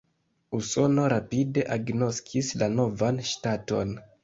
Usono rapide agnoskis la novan ŝtaton.